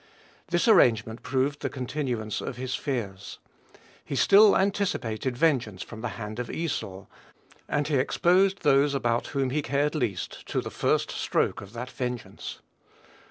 This arrangement proved the continuance of his fears. He still anticipated vengeance from the hand of Esau, and he exposed those about whom he cared least to the first stroke of that vengeance.